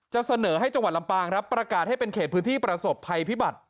จะเสนอให้จังหวัดลำปางครับประกาศให้เป็นเขตพื้นที่ประสบภัยพิบัติ